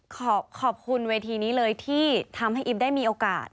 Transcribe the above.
ขอบคุณเวทีนี้เลยที่ทำให้อิ๊บได้มีโอกาส